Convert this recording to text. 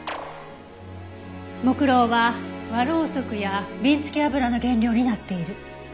木蝋は和ろうそくや鬢付け油の原料になっている。